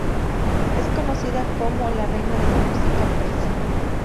Es conocida como "la Reina de la música persa".